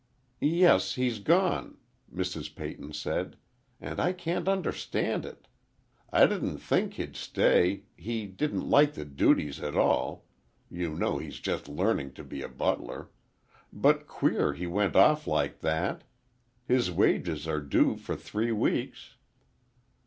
"Yes, he's gone," Mrs. Peyton said, "and I can't understand it. I didn't think he'd stay, he didn't like the duties at all—you know he's just learning to be a butler—but queer he went off like that. His wages are due for three weeks."